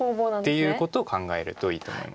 っていうことを考えるといいと思います。